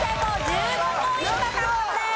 １５ポイント獲得です。